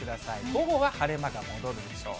午後は晴れ間が戻るでしょう。